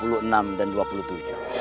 ibu nda aku tidak sempat meninggal